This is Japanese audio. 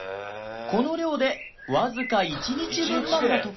この量でわずか１日分なんだとか